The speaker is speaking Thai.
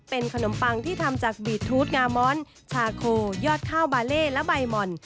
เป็นขนมปังที่ทำจากบีทูธงามอนชาโคยอดข้าวบาเล่และใบหม่อน